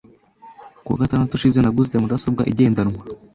Ku wa gatandatu ushize naguze mudasobwa igendanwa.